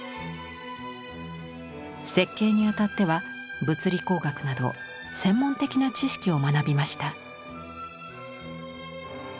設計にあたっては物理工学など専門的な知識を学びました。